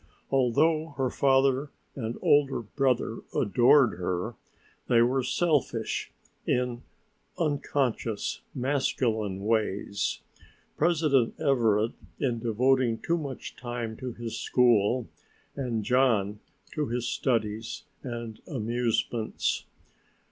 Although her father and older brother adored her, they were selfish in unconscious masculine ways, President Everett in devoting too much time to his school and John to his studies and amusements.